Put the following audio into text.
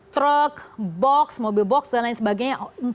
truk box mobil box dan lain sebagainya